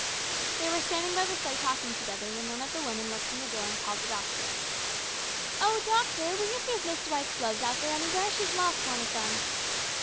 They were standing by the sleigh talking together when one of the women looked from the door and called the doctor. " Oh, doctor, will you see if Miss Dwight's glove is out there anywhere ? She's lost one of them."